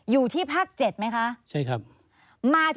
อยู่ที่ภาค๗ไหมคะ